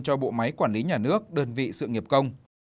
cho bộ máy quản lý nhà nước đơn vị sự nghiệp công